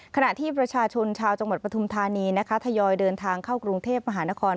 ขณะที่ประชาชนชาวจังหวัดปฐุมธานีนะคะทยอยเดินทางเข้ากรุงเทพมหานคร